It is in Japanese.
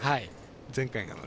前回から。